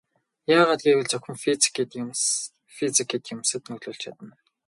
Яагаад гэвэл зөвхөн физик эд юмс физик эд юмсад нөлөөлж чадна.